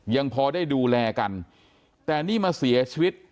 ยังพอได้ดูแลกันแต่นี่มาเสียชีวิต